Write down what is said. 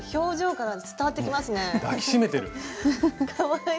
かわいい。